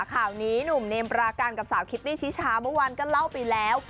ข่าวนี้หนุ่มเนมปราการกับสาวคิตตี้ชิชาเมื่อวานก็เล่าไปแล้ว